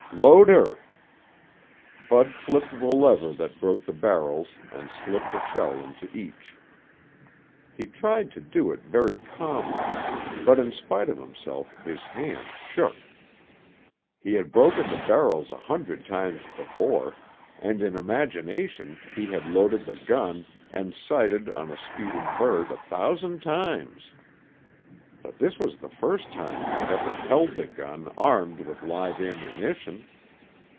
"Load her." Bud flipped the lever that broke the barrels and slipped a shell into each. He tried to do it very calmly, but in spite of himself his hands shook. He had broken the barrels a hundred times before and in imagination he had loaded the gun and sighted on a speeding bird a thousand times. But this was the first time he had ever held the gun armed with live ammunition.